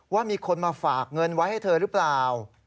ว่ามีคนมาฝากเงินไว้ให้เธอหรือเปล่า